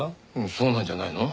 そうなんじゃないの？